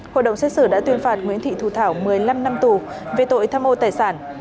hội đồng xét xử đã tuyên phạt nguyễn thị thu thảo một mươi năm năm tù về tội tham ô tài sản